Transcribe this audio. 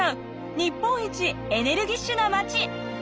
日本一エネルギッシュな街！